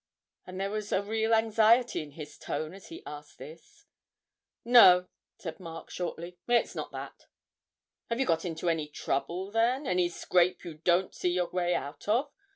and there was a real anxiety in his tone as he asked this. 'No,' said Mark shortly, 'it's not that.' 'Have you got into any trouble, then, any scrape you don't see your way out of?